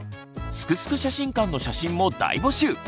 「すくすく写真館」の写真も大募集！